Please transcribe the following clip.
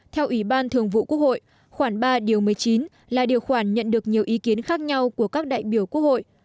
theo ủy ban thường vụ quốc hội khoảng ba điều một mươi chín là điều khoản nhận được nhiều ý kiến khác nhau của các đại biểu quốc hội